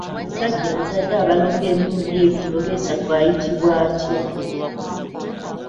Omusajja azadde abalongo emirundi ebiri oba esatu ayitibwa atya?